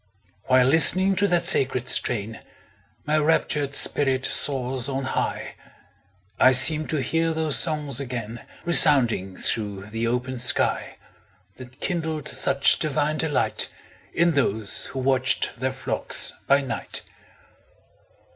While listening to that sacred strain, My raptured spirit soars on high; I seem to hear those songs again Resounding through the open sky, That kindled such divine delight, In those who watched their flocks by night.